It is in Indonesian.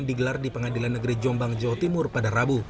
digelar di pengadilan negeri jombang jawa timur pada rabu